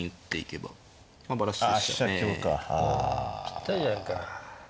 ぴったりじゃんか。